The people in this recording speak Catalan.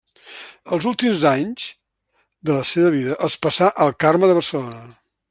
Els últims anys de la seva vida els passà al Carme de Barcelona.